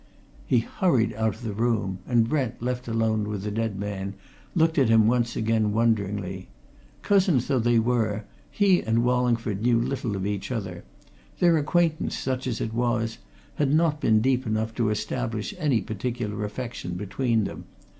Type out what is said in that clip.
He hurried out of the room, and Brent, left alone with the dead man, looked at him once again wonderingly. Cousins though they were, he and Wallingford knew little of each other: their acquaintance, such as it was, had not been deep enough to establish any particular affection between them.